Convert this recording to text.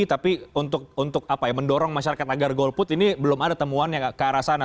tapi untuk mendorong masyarakat agar golput ini belum ada temuan yang ke arah sana